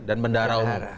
dan bendara umum